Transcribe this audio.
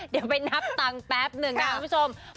เดี๋ยวไปนับตังค์แป๊บหนึ่งนะคุณผู้ชม